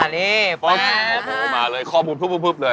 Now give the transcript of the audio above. นี่โอ้โหมาเลยข้อมูลพึบเลย